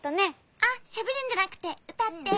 あっしゃべるんじゃなくてうたって。